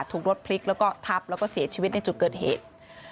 ถูกรถพลิกแล้วก็ทับแล้วก็เสียชีวิตในจุดเกิดเหตุ